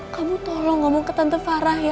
kamu tolong ngomong ke tante farah ya